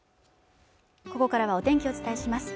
ここからはお天気をお伝えします